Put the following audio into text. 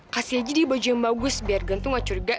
kasih aja dia baju yang bagus biar jantung tuh gak curiga